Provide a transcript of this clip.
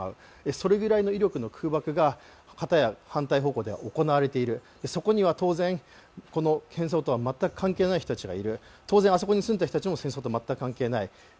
それくらいの威力の空爆が片や反対方向では行われている、そこには当然、この戦争と全く関係のない人がいる、当然ここも戦争と全く関係ない。